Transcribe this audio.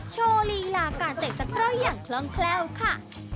โชว์ฬีหลากาศเต็กตะเต้าอย่างคล้องแคล้วค่ะ